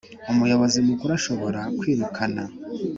Umuyobozi Mukuru ashobora ku kwirukana